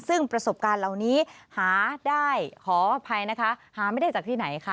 ซึ่งประสบการณ์เหล่านี้หาได้ขออภัยนะคะหาไม่ได้จากที่ไหนค่ะ